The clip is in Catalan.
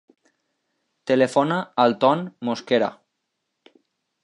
Telefona al Ton Mosquera.